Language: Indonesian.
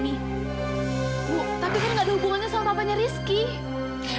ibu tapi kan gak ada hubungannya sama papanya rizky